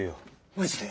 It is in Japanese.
マジで？